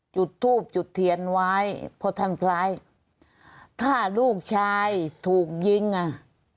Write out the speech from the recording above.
จุดทูบจุดเทียนไว้เพราะท่านคล้ายถ้าลูกชายถูกยิงอ่ะ